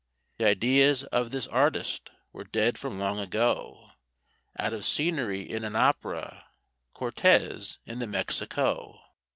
The ideas of this artist were idead from long ago, Out of scenery in an opera, "Cortez in the Mexico."